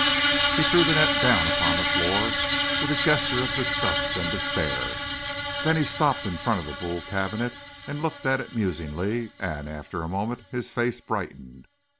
He threw the net down upon the floor with a gesture of disgust and despair. Then he stopped in front of the Boule cabinet and looked down at it musingly; and, after a moment, his face brightened.